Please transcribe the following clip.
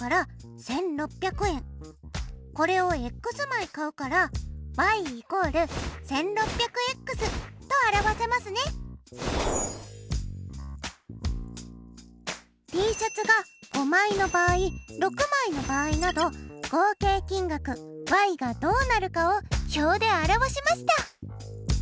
これを枚買うからＴシャツが５枚の場合６枚の場合など合計金額がどうなるかを表で表しました。